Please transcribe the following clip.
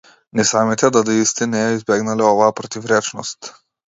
Ни самите дадаисти не ја избегнале оваа противречност.